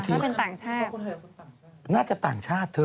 เขาเป็นต่างชาติ